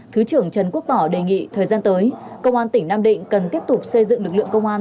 thứ trưởng trần quốc tỏ đề nghị thời gian tới công an tỉnh nam định cần tiếp tục xây dựng lực lượng công an